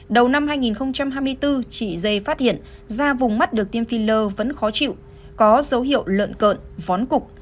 đầu năm hai nghìn hai mươi bốn chị dây phát hiện da vùng mắt được tiêm filler vẫn khó chịu có dấu hiệu lợn cợn vón cục